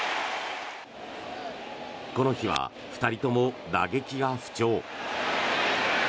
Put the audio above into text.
この日は２人とも打撃が不調。